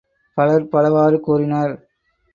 பலர் பலவாறு கூறினர்.